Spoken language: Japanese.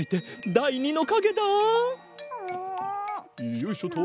よいしょっと！